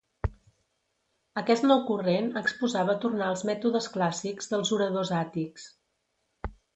Aquest nou corrent exposava tornar als mètodes clàssics dels oradors àtics.